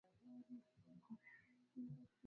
ni wananchi waligundua hilo baada ya kuchomoza kwa jua